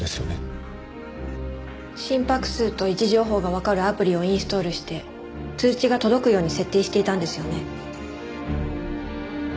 心拍数と位置情報がわかるアプリをインストールして通知が届くように設定していたんですよね？